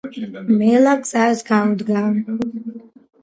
მელა გზას გაუდგა